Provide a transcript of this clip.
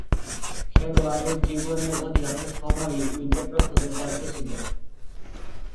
খেলোয়াড়ী জীবনের অধিকাংশ সময়েই উইকেট-রক্ষকের দায়িত্বে ছিলেন।